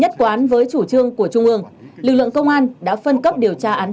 nhất quán với chủ trương của trung ương lực lượng công an đã phân cấp điều tra án